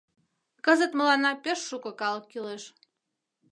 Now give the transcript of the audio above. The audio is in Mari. Кызыт мыланна пеш шуко калык кӱлеш.